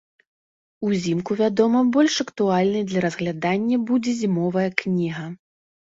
Узімку, вядома, больш актуальнай для разглядання будзе зімовая кніга.